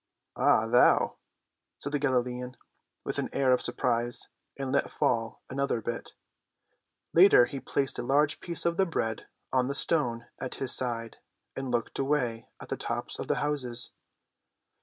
"Ah, thou?" said the Galilean, with an air of surprise, and let fall another bit. Later he placed a large piece of the bread on the stone at his side and looked away at the tops of the houses.